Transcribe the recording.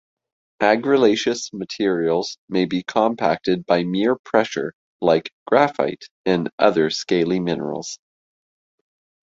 Argillaceous materials may be compacted by mere pressure, like graphite and other scaly minerals.